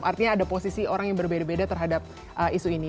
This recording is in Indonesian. artinya ada posisi orang yang berbeda beda terhadap isu ini